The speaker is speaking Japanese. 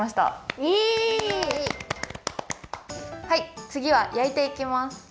はいつぎはやいていきます。